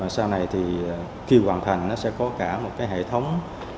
sau này thì khi hoàn thành nó sẽ có cả một cái hệ thống